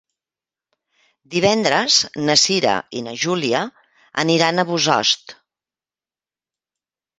Divendres na Cira i na Júlia aniran a Bossòst.